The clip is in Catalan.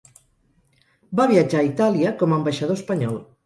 Va viatjar a Itàlia com a ambaixador espanyol.